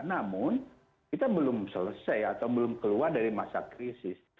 namun kita belum selesai atau belum keluar dari masa krisis